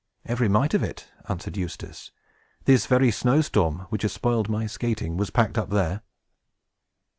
"Every mite of it!" answered Eustace. "This very snow storm, which has spoiled my skating, was packed up there."